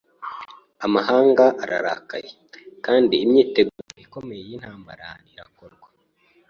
Amahanga ararakaye, kandi imyiteguro ikomeye y’intambara irakorwa